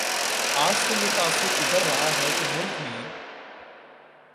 آج تو یہ تاثر ابھر رہا ہے کہ ملک میں